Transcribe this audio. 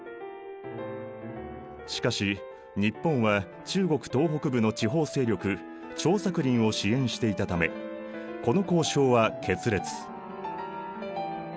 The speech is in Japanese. しかし日本は中国東北部の地方勢力張作霖を支援していたためこの交渉は決裂。